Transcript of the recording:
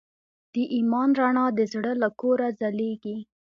د ایمان رڼا د زړه له کوره ځلېږي.